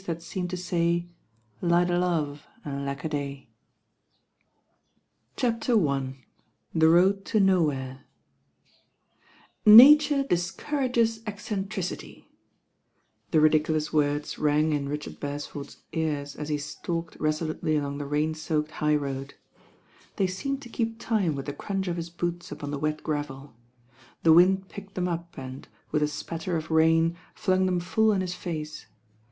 >*• g j^iAHh "^IW? rtpi THE RAIN GIRL THE RAIN GIRL CHAPTER I THE ROAD TO NOWHERE NATURE discourages eccentricity 1 The ridiculous words rang in Richard Beresford's ears as he stalked resolutely along the rain soaked high road. They seemed to keep time with the crunch of his boots upon the wet gravel. The wind picked them up and, with a spat ter of rain, flung them full in his face.